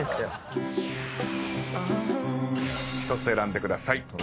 １つ選んでください。